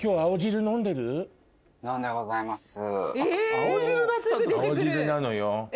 青汁なのよ。